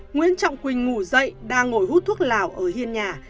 nguyễn trọng quỳnh ngủ dậy đang ngồi hút thuốc lào ở hiên nhà